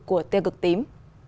của tiêu cực tím